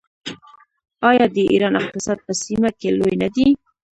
آیا د ایران اقتصاد په سیمه کې لوی نه دی؟